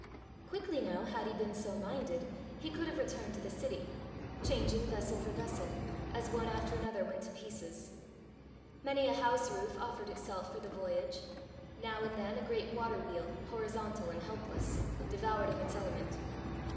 Quickly now, had he been so minded, he could have returned to the city changing vessel for vessel, as one after another went to pieces. Many a house roof offered itself for the voyage; now and then a great water wheel, horizontal and helpless, devoured of its element.